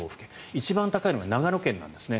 一番高いのが長野県なんですね。